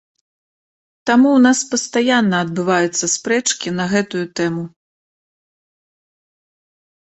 Таму ў нас пастаянна адбываюцца спрэчкі на гэтую тэму.